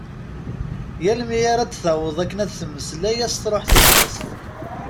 Yal mi ara d-taweḍ akken ad d-temmeslay as-truḥ tebɣest.